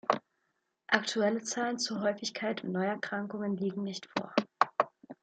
Aktuelle Zahlen zu Häufigkeit und Neuerkrankungen liegen nicht vor.